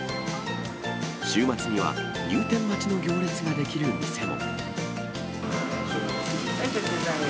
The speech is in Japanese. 週末には、入店待ちの行列が出来る店も。